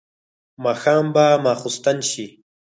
ماښام به ماخستن شي.